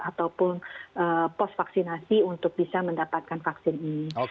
ataupun pos vaksinasi untuk bisa mendapatkan vaksin ini